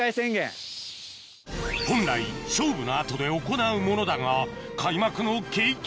本来勝負の後で行うものだが開幕の景気